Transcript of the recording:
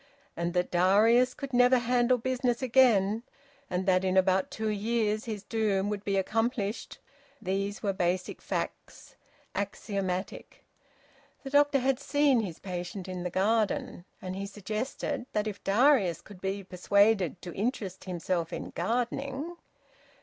And that Darius could never handle business again, and that in about two years his doom would be accomplished these were basic facts, axiomatic. The doctor had seen his patient in the garden, and he suggested that if Darius could be persuaded to interest himself in gardening...